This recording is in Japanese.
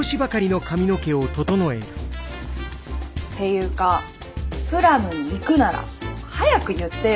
っていうかぷらむに行くなら早く言ってよ。